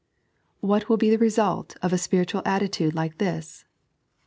What will be the kesdlt of a spiritual attitude like this